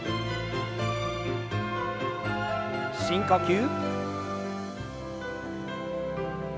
深呼吸。